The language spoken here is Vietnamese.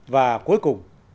và cuối cùng